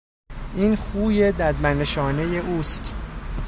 این خوی ددمنشانهی اوست.